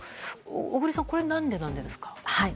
小栗さん、これはなぜなんですか？